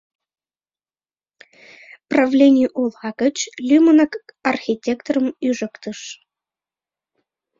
Правлений ола гыч лӱмынак архитекторым ӱжыктыш.